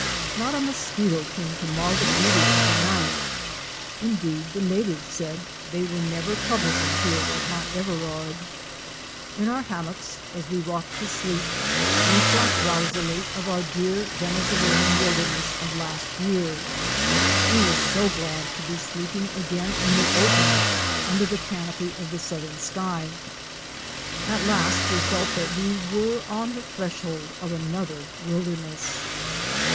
Not a mosquito came to mar the beauty of the night. Indeed the natives said they were never troublesome here at Mount Everard. In our hammocks as we rocked to sleep we thought drowsily of the 142 OUR SEARCH FOR A WILDERNESS. dear Venezuelan wilderness of last year. We were so glad to be sleeping again in the open under the canopy of the southern sky. At last we felt that we were on the threshold of another wilderness.